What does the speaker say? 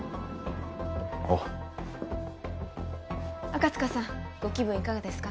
おう赤塚さんご気分いかがですか？